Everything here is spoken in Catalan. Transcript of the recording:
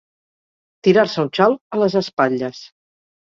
Tirar-se un xal a les espatlles.